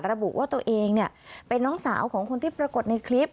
ระบุว่าตัวเองเป็นน้องสาวของคนที่ปรากฏในคลิป